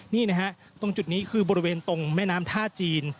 นี่นะฮะตรงจุดนี้คือบริเวณตรงแม่น้ำท่าจีน